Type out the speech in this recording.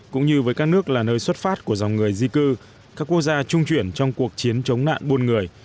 cũng như với các nước là nơi xuất phát của dòng người di cư các quốc gia trung chuyển trong cuộc chiến chống nạn buôn người